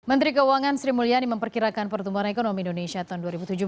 menteri keuangan sri mulyani memperkirakan pertumbuhan ekonomi indonesia tahun dua ribu tujuh belas